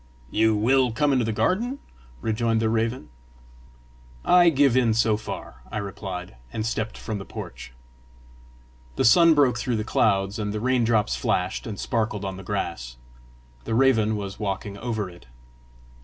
"You will come into the garden!" rejoined the raven. "I give in so far," I replied, and stepped from the porch. The sun broke through the clouds, and the raindrops flashed and sparkled on the grass. The raven was walking over it.